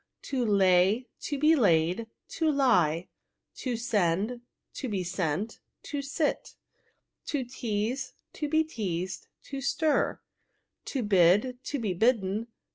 To lay. To be laid. ToUe. To send. To be sent. To sit. To teaze. To be teazed. To stir. To bid. To be bidden.